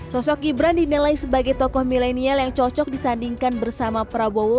sosok gibran dinilai sebagai tokoh milenial yang cocok disandingkan bersama prabowo